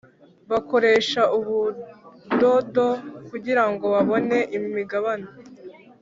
bakoresha ubu ndodo kugira ngo babone imigabane